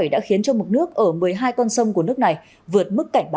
đã khiến cho mực nước ở một mươi hai con sông của nước này vượt mức cảnh báo